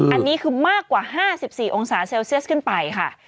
อันนี้คือมากกว่า๕๔องศาเซลเซียสขึ้นไปค่ะ